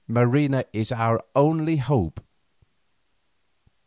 Marina is our only hope."